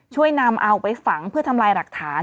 ช่วยนำเอาไปฝังเพื่อทำลายหลักฐาน